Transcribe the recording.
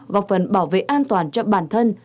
gọc phần bảo vệ an toàn cho bản thân